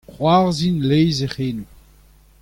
C'hoarzhin leizh e c'henoù.